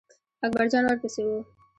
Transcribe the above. اکبر جان ور پسې و.